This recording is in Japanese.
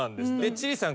千里さん